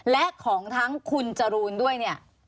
และของทั้งคุณจรูนด้วยเนี่ย